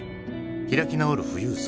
開き直る富裕層。